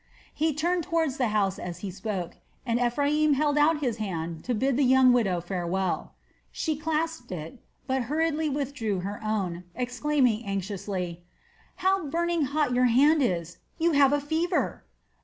He turned towards the house as he spoke, and Ephraim held out his hand to bid the young widow farewell. She clasped it, but hurriedly withdrew her own, exclaiming anxiously: "How burning hot your hand is! You have a fever!"